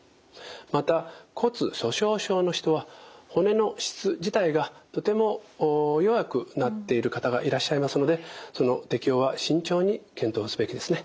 また骨粗しょう症の人は骨の質自体がとても弱くなっている方がいらっしゃいますのでその適応は慎重に検討すべきですね。